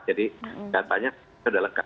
jadi datanya sudah lengkap